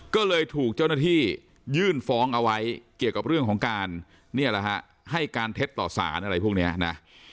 ก็เลยถูกเจ้าหน้าที่ยื่นฟ้องเอาไว้เกี่ยวกับเรื่องของการเนี่ยแหละฮะให้การเท็จต่อสารอะไรพวกนี้นะ